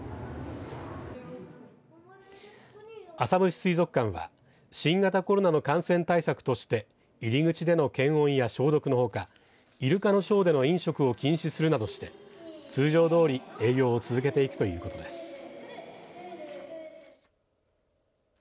浅虫水族館は新型コロナの感染対策として入り口での検温や消毒のほかイルカのショーでの飲食を禁止するなどして通常どおり営業を続けていくということです。